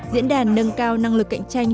diễn đàn nâng cao năng lực cạnh tranh